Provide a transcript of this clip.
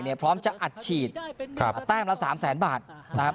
เนี่ยพร้อมจะอัดฉีดนะครับแวะแ๓๐๐๐บาทแล้ว